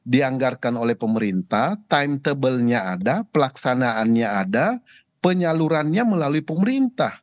dianggarkan oleh pemerintah timetable nya ada pelaksanaannya ada penyalurannya melalui pemerintah